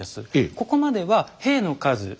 ここまでは兵の数ま